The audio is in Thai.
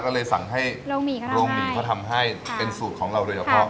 เราก็เลยสั่งให้โรงหมี่เขาทำให้เป็นสูตรของเราด้วยเฉพาะค่ะ